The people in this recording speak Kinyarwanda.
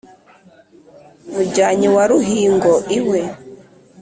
mujyanyi wa ruhingo iwe